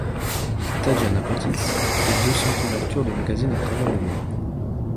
Tatjana Patitz fait deux cents couvertures de magazines à travers le monde.